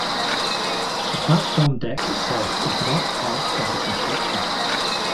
The platform deck itself is not a part of the construction.